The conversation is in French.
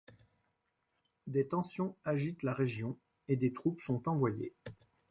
Des tensions agitent la région et des troupes sont envoyées.